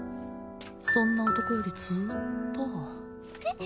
そんな男よりずっとえっ？